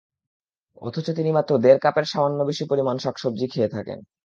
অথচ তিনি মাত্র দেড় কাপের সামান্য বেশি পরিমাণ শাকসবজি খেয়ে থাকেন।